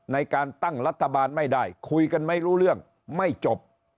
ในการตั้งรัฐบาลไม่ได้คุยกันไม่รู้เรื่องไม่จบ